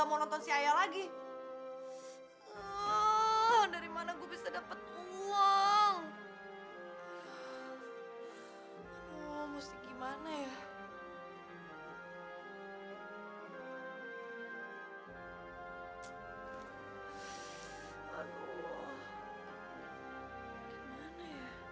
gimana caranya supaya dapet uang lagi